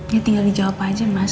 ya tinggal dijawab aja mas